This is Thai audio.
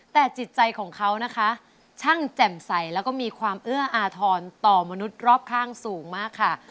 แต่จิตใจของเขานะคะช่างแจ่มใสแล้วก็มีความเอื้ออาทรต่อมนุษย์รอบข้างสูงมากค่ะ